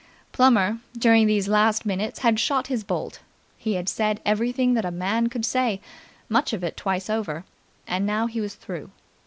Plummer, during these last minutes, had shot his bolt. He had said everything that a man could say, much of it twice over; and now he was through.